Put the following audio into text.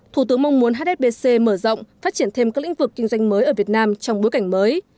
thủ tướng mong muốn hsbc mở rộng phát triển thêm các lĩnh vực kinh doanh mới ở việt nam trong bối cảnh mới